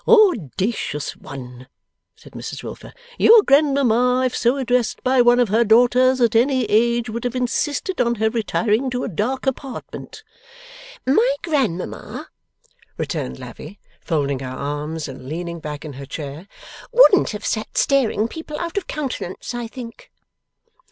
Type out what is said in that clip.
'Audacious one!' said Mrs Wilfer. 'Your grandmamma, if so addressed by one of her daughters, at any age, would have insisted on her retiring to a dark apartment.' 'My grandmamma,' returned Lavvy, folding her arms and leaning back in her chair, 'wouldn't have sat staring people out of countenance, I think.